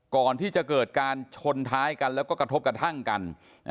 ก่อนที่จะเกิดการชนท้ายกันแล้วก็กระทบกระทั่งกัน